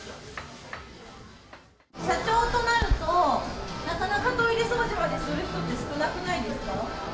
社長となると、なかなかトイレ掃除までする人って少なくないですか？